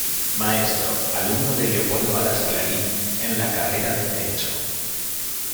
Maestro, alumno de Leopoldo Alas "Clarín" en la carrera de Derecho.